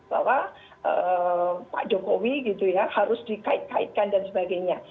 bahwa pak jokowi gitu ya harus dikait kaitkan dan sebagainya